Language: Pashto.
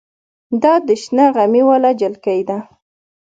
دا د شنه غمي واله جلکۍ ده.